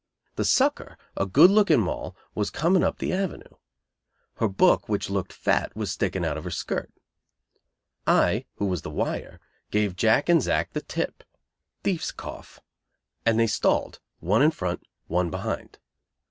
The "sucker," a good looking Moll was coming up the Avenue. Her "book," which looked fat, was sticking out of her skirt. I, who was the "wire," gave Jack and Zack the tip (thief's cough), and they stalled, one in front, one behind.